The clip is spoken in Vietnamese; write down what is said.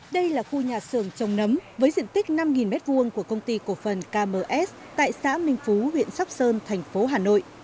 đây là khu nhà xưởng trồng nấm với diện tích năm m hai của công ty cổ phần km tại xã minh phú huyện sóc sơn thành phố hà nội